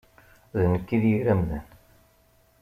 D nekk i d yir amdan.